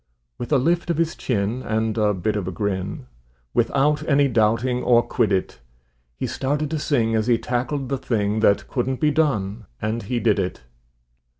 With a lift of his chin and a bit of a grin, Without any doubting or quiddit, He started to sing as he tackled the thing That couldn't be done, and he did it.